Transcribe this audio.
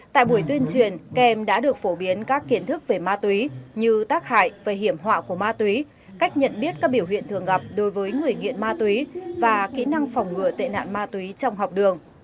tại buổi tuyên truyền kem đã được phổ biến các kiến thức về ma túy như tác hại và hiểm họa của ma túy cách nhận biết các biểu hiện thường gặp đối với người nghiện ma túy và kỹ năng phòng ngừa tệ nạn ma túy trong học đường